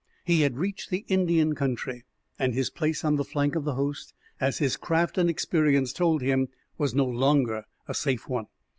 He had reached the Indian country, and his place on the flank of the host, as his craft and experience told him, was no longer a safe one.